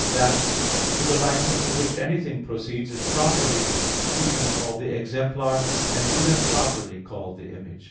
That to the likeness of which anything proceeds, is properly speaking called the exemplar, and is improperly called the image.